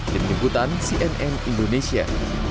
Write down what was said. tim nyugutan cnn indonesia